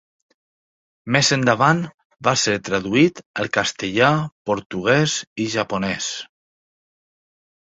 Més endavant va ser traduït al castellà, portuguès i japonès.